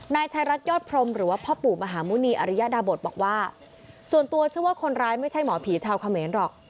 นายชายรักยอดพรมหรือว่าพ่อปู่มหาหมุณีอริยดาบทบอกว่าส่วนตัวเชื่อว่าคนร้ายไม่ใช่หมอผีชาวเขมรหรอก